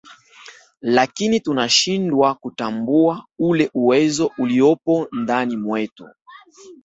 lakini tunashindwa kutambua ule uwezo uliopo ndani mwetu